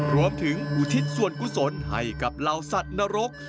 รวมถึงอุทิศส่วนกุศลให้กับเหล่าสัตว์นรก